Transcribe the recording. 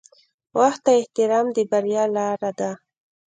• وخت ته احترام د بریا لاره ده.